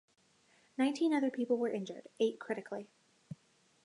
Nineteen other people were injured, eight critically.